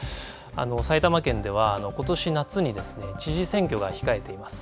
埼玉県では、ことし夏に知事選挙が控えています。